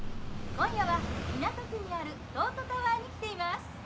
今夜は港区にある東都タワーに来ています。